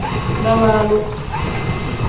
Dawaalu.